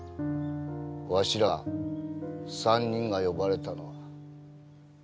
わしら３人が呼ばれたのは。